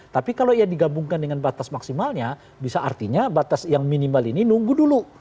tapi kalau ia digabungkan dengan batas maksimalnya bisa artinya batas yang minimal ini nunggu dulu